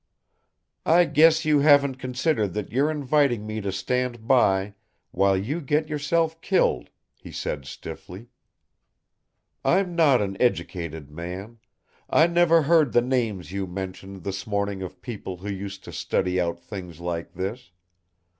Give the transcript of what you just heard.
"I guess you haven't considered that you're inviting me to stand by while you get yourself killed," he said stiffly. "I'm not an educated man. I never heard the names you mentioned this morning of people who used to study out things like this.